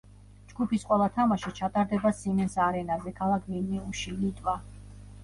ჯგუფის ყველა თამაში ჩატარდება სიმენს არენაზე ქალაქ ვილნიუსში, ლიტვა.